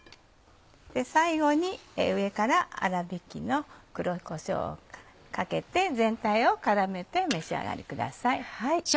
最後に上から粗びきの黒こしょうをかけて全体を絡めて召し上がりください。